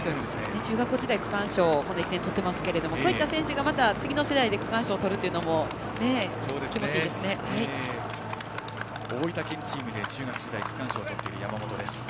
中学校時代区間賞をとっていますがそういった選手がまた次の世代で区間賞をとるのも大分県チームで中学時代に区間賞をとっている山本です。